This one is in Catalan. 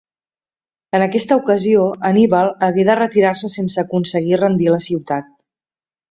En aquesta ocasió, Anníbal hagué de retirar-se sense aconseguir rendir la ciutat.